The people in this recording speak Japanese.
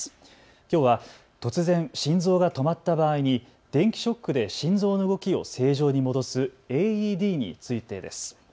きょうは突然、心臓が止まった場合に電気ショックで心臓の動きを正常に戻すＡＥＤについてです。